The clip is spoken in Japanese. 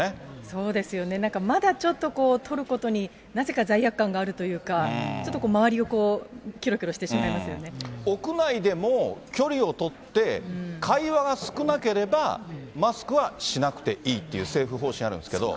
そうですよね、まだなんかちょっと、とることになぜか罪悪感があるというか、ちょっと周りをこう、き屋内でも、距離を取って会話が少なければ、マスクはしなくていいっていう政府方針あるんですけど。